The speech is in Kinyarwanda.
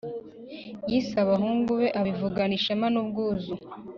yise «abahungu be» abivugana ishema n'ubwuzu.